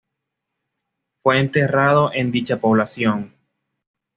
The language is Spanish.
Fue enterrado en dicha población.